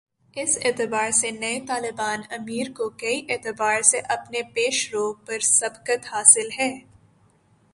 اس اعتبار سے نئے طالبان امیر کو کئی اعتبار سے اپنے پیش رو پر سبقت حاصل ہے۔